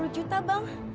tujuh puluh juta bang